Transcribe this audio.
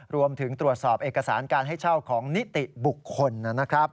รวมถึงตรวจสอบเอกสารการให้เช่าของนิติบุคคลนะครับ